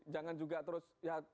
jangan juga terus ya